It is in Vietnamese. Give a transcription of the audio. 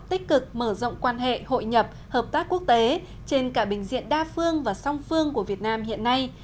tích cực mở rộng quan hệ hội nhập hợp tác quốc tế trên cả bình diện đa phương và song phương của việt nam hiện nay